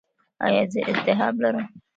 ایا زه التهاب لرم؟